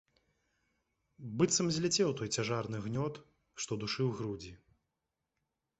Быццам зляцеў той цяжарны гнёт, што душыў грудзі.